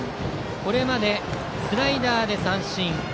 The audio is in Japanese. これまでスライダーで三振。